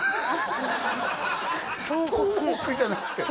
東北じゃなくて？